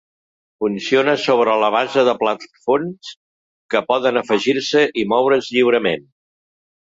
Funciona sobre la base de plafons que poden afegir-se i moure's lliurement.